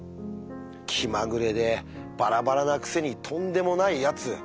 気まぐれでバラバラなくせにとんでもないやつ。